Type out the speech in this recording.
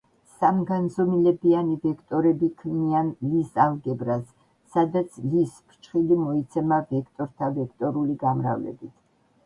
სამგანზომილებიანი ვექტორები ქმნიან ლის ალგებრას, სადაც ლის ფრჩხილი მოიცემა ვექტორთა ვექტორული გამრავლებით.